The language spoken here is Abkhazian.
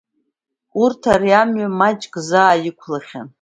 Урҭ ари амҩа маҷк заа иқәлахьан.